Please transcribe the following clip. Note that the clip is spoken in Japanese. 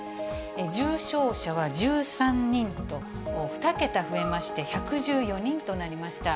重症者は１３人と、２桁増えまして、１１４人となりました。